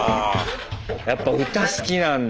やっぱ歌好きなんだ。